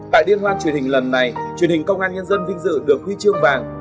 tại liên hoan truyền hình lần này truyền hình công an nhân dân vinh dự được huy chương vàng